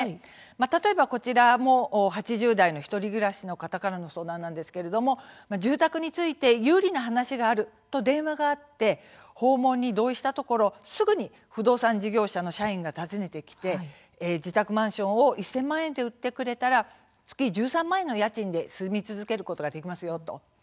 例えば、こちらも８０代の１人暮らしの方の相談なんですが住宅について有利な話があると電話があって訪問に同意したところすぐに不動産事業者の社員が訪ねてきて自宅マンションを１０００万円で売ってくれたら月１３万円の家賃で住み続けることができます。